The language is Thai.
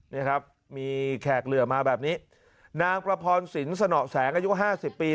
นี่ครับมีแขกเหลือมาแบบนี้นางประพรสินสนอแสงอายุห้าสิบปี